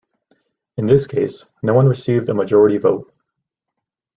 In this case, no one received a majority vote.